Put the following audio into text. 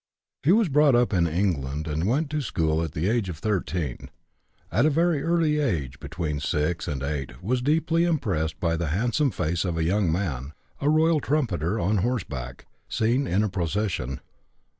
He was brought up in England, and went to school at the age of 13. At a very early age, between 6 and 8, was deeply impressed by the handsome face of a young man, a royal trumpeter on horseback, seen in a procession.